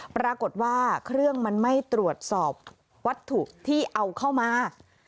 ปรากฏว่าเครื่องมันไม่ตรวจสอบวัตถุที่เอาเข้ามา